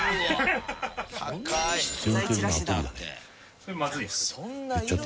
それまずいんですか？